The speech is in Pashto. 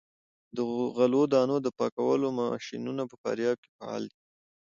د غلو دانو د پاکولو ماشینونه په فاریاب کې فعال دي.